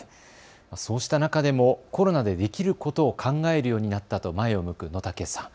そうした中でもコロナでできることを考えるようになったと前を向く野武さん。